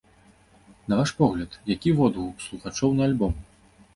На ваш погляд, які водгук слухачоў на альбом?